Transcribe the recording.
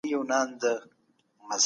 موږ شیان رانيسو.